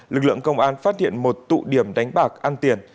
lực lượng công an phát hiện một tụ điểm đánh bạc ăn tiền